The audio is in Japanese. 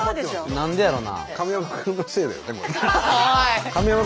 何でやろな？